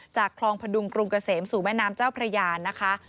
คลองพดุงกรุงเกษมสู่แม่น้ำเจ้าพระยานะคะ